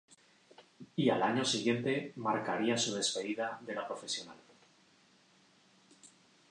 Y al año siguiente marcaría su despedida de la Profesional.